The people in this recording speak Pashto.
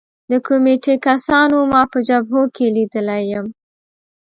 د کمېټې کسانو ما په جبهو کې لیدلی یم